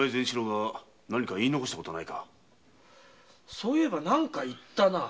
そう言えば何か言ったなぁ。